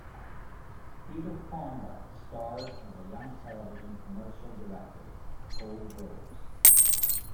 Peter Fonda stars as a young television commercial director, Paul Groves.